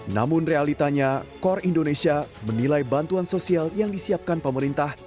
namun realitanya kor indonesia menilai bantuan sosial yang disiapkan pemerintah